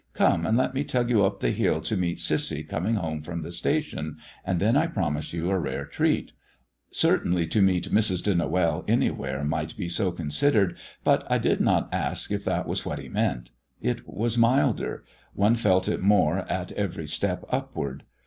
Come, and let me tug you up the hill to meet Cissy coming home from the station, and then I promise you a rare treat." Certainly to meet Mrs. de Noël anywhere might be so considered, but I did not ask if that was what he meant. It was milder; one felt it more at every step upward.